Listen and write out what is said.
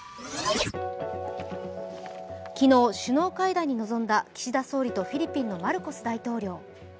昨日、首脳会談に臨んだ岸田総理とフィリピンのマルコス大統領。